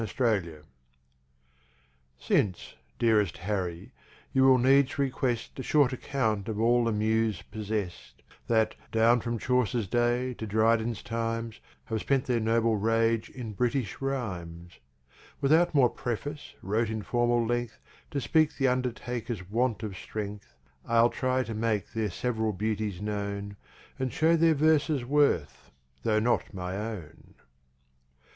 5 Autoplay Since, dearest Harry, you will needs request A short account of all the Muse possest, That, down from Chaucer's days to Dryden's Times, Have spent their Noble Rage in British Rhimes; Without more Preface, wrote in Formal length, To speak the Undertakers want of strength, I'll try to make they're sev'ral Beauties known, And show their Verses worth, tho' not my Own.